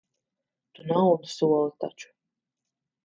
Tu naudu soli taču.